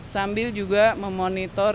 sambil juga memonitor